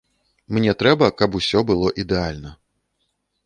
Мне трэба, каб усё было ідэальна.